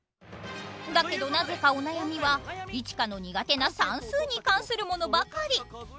だけどなぜかお悩みはイチカの苦手な算数に関するものばかり。